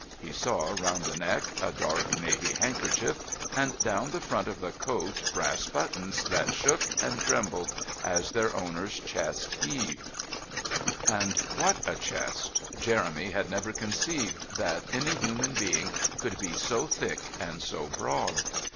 He saw round the neck a dark navy handkerchief, and down the front of the coat brass buttons that shook and trembled as their owner's chest heaved. And what a chest! Jeremy had never conceived that any human being could be so thick and so broad.